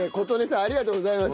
ありがとうございます。